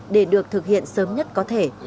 để được thực hiện sớm nhất có thể